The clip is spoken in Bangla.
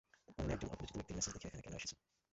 তাহলে একজন অপরিচিত ব্যক্তির মেসেজ দেখে এখানে কেন এসেছ?